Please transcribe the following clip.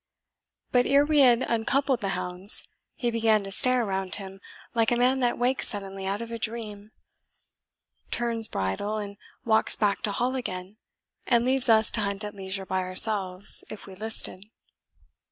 But ere we had uncoupled'the hounds, he began to stare round him, like a man that wakes suddenly out of a dream turns bridle, and walks back to Hall again, and leaves us to hunt at leisure by ourselves, if we listed."